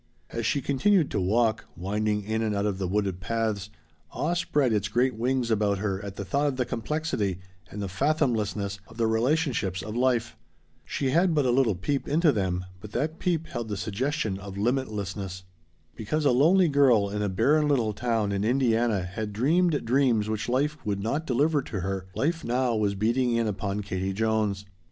As she continued her walk, winding in and out of the wooded paths, awe spread its great wings about her at thought of the complexity and the fathomlessness of the relationships of life. She had but a little peep into them, but that peep held the suggestion of limitlessness. Because a lonely girl in a barren little town in Indiana had dreamed dreams which life would not deliver to her, life now was beating in upon Katie Jones.